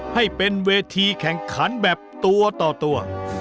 ให้เป็นเวทีแข่งขันแบบตัวต่อตัว